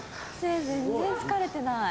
全然疲れてない。